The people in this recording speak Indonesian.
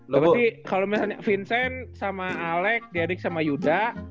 berarti kalo misalnya vincent sama alec derek sama yuda